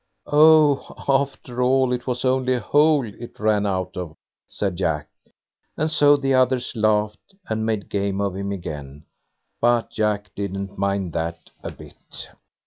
"Oh, after all, it was only a hole it ran out of", said Jack; and so the others laughed and made game of him again, but Jack didn't mind that a bit.